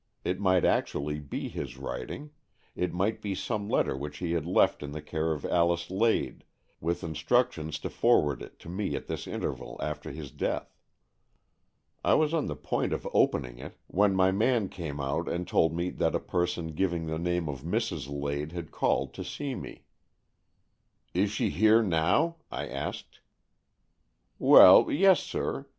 It might actually be his writing; it might be some letter which he had left in the care of Alice Lade with instructions to forward it to me at this interval after his death. I was on the point of opening it, when my man came out and told me that a person giving the name of Mrs. Lade had called to see me. " Is she here now.^ " I asked. " Well, yes, sir.